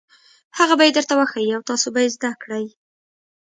هغه به یې درته وښيي او تاسو به یې زده کړئ.